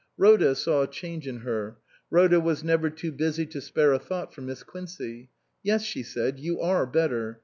Rhoda saw a change in her ; Rhoda was never too busy to spare a thought for Miss Quincey. " Yes," she said, " you are better.